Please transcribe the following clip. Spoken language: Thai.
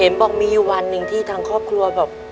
เห็นบอกมีวันหนึ่งที่ทางครอบครัวแบบ